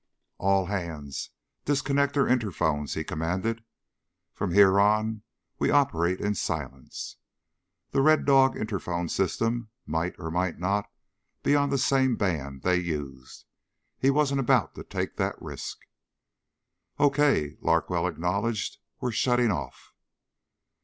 "All hands disconnect their interphones," he commanded. "From here on out we operate in silence." The Red Dog interphone system might or might not be on the same band they used. He wasn't about to take that risk. "Okay," Larkwell acknowledged. "We're shutting off."